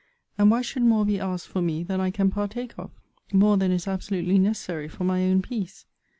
And why should more be asked for me than I can partake of? More than is absolutely necessary for my own peace?